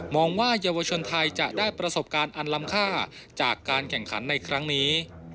ว่าเยาวชนไทยจะได้ประสบการณ์อันลำค่าจากการแข่งขันในครั้งนี้